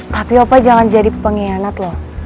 tapi apa jangan jadi pengkhianat loh